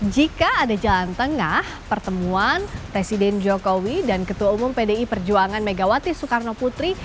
jika ada jalan tengah pertemuan presiden jokowi dan ketua umum pdi perjuangan megawati soekarno putri